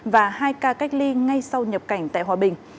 và hai ca cách ly ngay sau nhập cảnh tại hòa bình